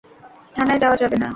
থানায় যাওয়া যাবে না।